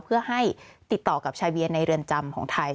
เพื่อให้ติดต่อกับชายเวียในเรือนจำของไทย